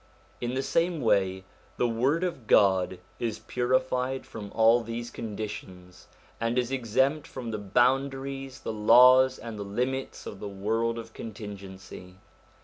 In the same way the Word of God is purified from all these conditions and is exempt from the boundaries, the laws, and the limits of the world of contingency.